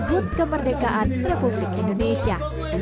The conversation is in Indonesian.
hud kemerdekaan republik indonesia